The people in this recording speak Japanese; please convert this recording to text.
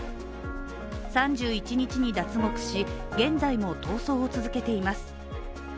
３１日に脱獄し、現在も逃走を続けています。